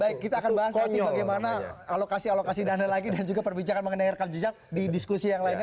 baik kita akan bahas nanti bagaimana alokasi alokasi dana lagi dan juga perbincangan mengenai rekam jejak di diskusi yang lainnya